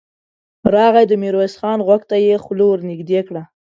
راغی، د ميرويس خان غوږ ته يې خوله ور نږدې کړه.